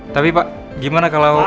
tapi pak gimana kalau